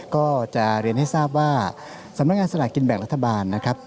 ก็จะเรียนให้ทราบว่าสำนักงานสลากกินแบ่งรัฐบาลนะครับ